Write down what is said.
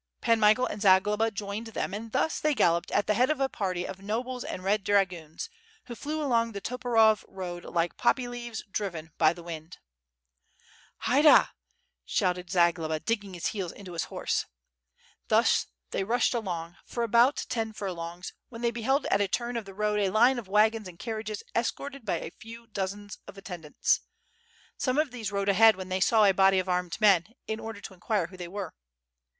Pan Michael and Zagloba jained them and thus they galloped at the head of a party of nobles and red dragoons, who flew along the Toporov road like poppy leaves driven by the wind. 8o8 WITH FIRE AND SWORD, "Hayda!" shouted Zagloba, digging his heels into his horse. Thus they rushed along for about ten furlongs when they beheld at a turn of the road a line of wagons and carriages escorted by a few dozens of attendants. Some of these rode ahead when they saw a body of armed men, in order to in quire who they were.